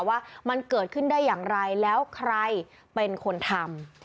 ว่ามันเกิดขึ้นได้อย่างไรแล้วใครเป็นคนทำ